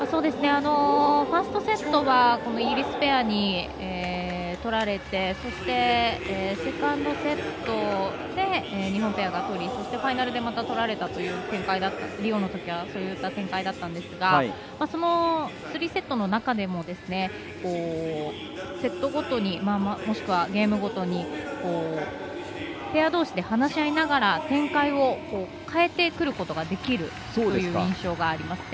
ファーストセットはイギリスペアに取られてそして、セカンドセットで日本ペアが取り、そしてファイナルで取られたというリオのときはそういった展開だったんですがその３セットの中でもセットごともしくはゲームごとにペアどうしで話し合いながら展開を変えてくることができるという印象がありますね。